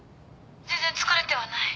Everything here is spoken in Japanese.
全然疲れてはない。